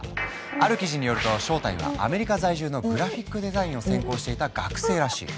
ある記事によると正体はアメリカ在住のグラフィックデザインを専攻していた学生らしい。